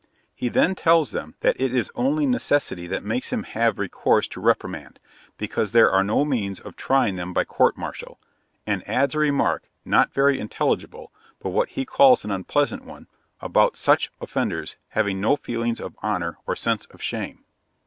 He then tells them, that it is only necessity that makes him have recourse to reprimand, because there are no means of trying them by court martial; and adds a remark, not very intelligible, but what he calls an unpleasant one, about such offenders having no feelings of honour or sense of shame.